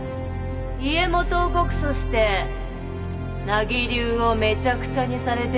家元を告訴して名木流をめちゃくちゃにされてもいいの？